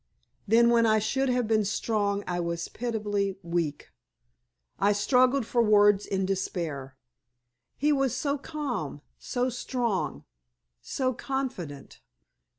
Then when I should have been strong I was pitiably weak. I struggled for words in despair. He was so calm, so strong, so confident.